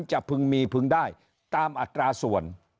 พึงมีพึงได้ตามอัตราส่วน